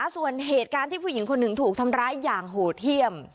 ส่วนเหตุการณ์ที่ผู้หญิงคนหนึ่งถูกทำร้ายอย่างโหดเยี่ยม